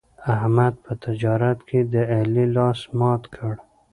احمد په تجارت کې د علي لاس مات کړ.